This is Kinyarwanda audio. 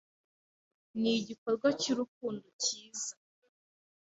ni igikorwa cy’urukundo kiza